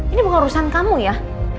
ini bukan urusan kamu ya